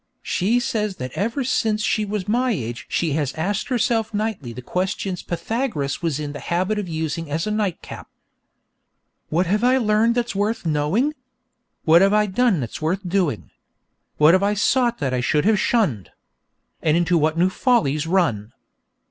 She says that ever since she was my age she has asked herself nightly the questions Pythagoras was in the habit of using as a nightcap: 'What have I learned that's worth the knowing? What have I done that's worth the doing? What have I sought I should have shunned, And into what new follies run?'